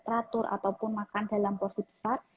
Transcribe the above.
teratur ataupun makan dalam porsi besar